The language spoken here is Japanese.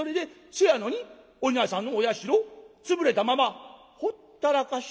そやのにお稲荷さんのお社潰れたままほったらかし？